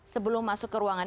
sebelum masuk ke ruangan